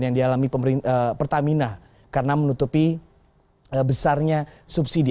yang dialami pertamina karena menutupi besarnya subsidi